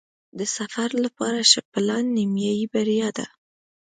د سفر لپاره ښه پلان نیمایي بریا ده.